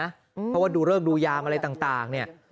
เพราะว่าดูเลิกดูยามอะไรต่างเนี่ย